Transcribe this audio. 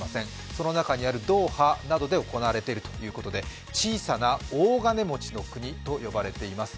その中にあるドーハなどで行われてるということで小さな大金持ちの国と呼ばれています。